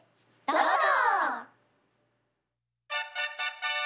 どうぞ！